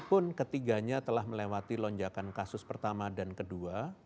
pun ketiganya telah melewati lonjakan kasus pertama dan kedua